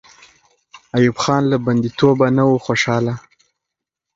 ایوب خان له بندي توبه نه وو خوشحاله.